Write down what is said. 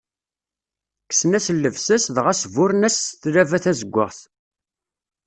Kksen-as llebsa-s dɣa sburren-as s tlaba tazeggaɣt.